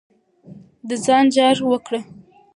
د ځان جار وکړه.